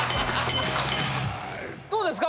どうですか？